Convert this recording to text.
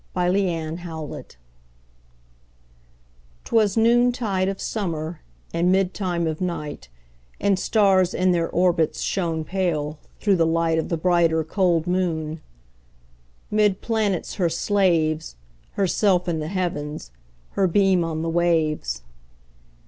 1827 Evening Star 'Twas noontide of summer, And midtime of night, And stars, in their orbits, Shone pale, through the light Of the brighter, cold moon. 'Mid planets her slaves, Herself in the Heavens, Her beam on the waves.